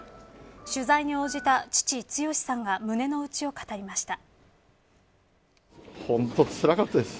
取材に応じた父、剛さんが胸のうちを語りました。